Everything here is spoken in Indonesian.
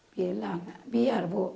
bilang biar bu